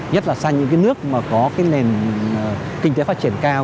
nhất là sang những nước có nền kinh tế phát triển cao